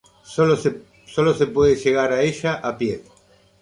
Sólo se puede llegar a ella a pie.